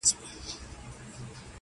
میکده څه نن یې پیر را سره خاندي,